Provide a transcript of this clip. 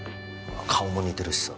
顔も似てるしさ。